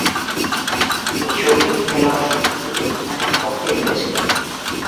তিনি শৌখিন খেলোয়াড়সমৃদ্ধ জেন্টলম্যানের পক্ষে খেলেছিলেন।